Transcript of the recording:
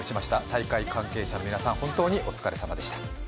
大会関係者の皆さん、本当にお疲れ様でした。